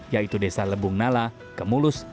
yaitu desa lebung nala kemulus